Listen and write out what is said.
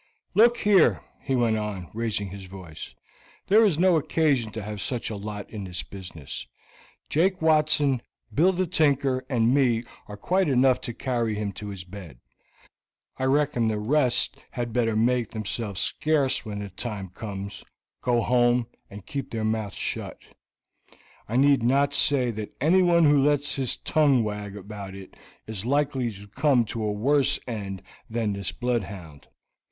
"Look here," he went on, raising his voice. "There is no occasion to have such a lot in this business; Jake Watson, Bill the Tinker, and me are quite enough to carry him to his bed. I reckon the rest had better make themselves scarce when the times comes, go home, and keep their mouths shut. I need not say that anyone who lets his tongue wag about it is likely to come to a worse end than this bloodhound.